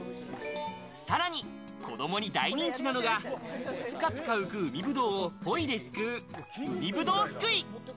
さらに子どもに大人気なのがプカプカ浮く海ブドウをポイですくう、海ぶどうすくい。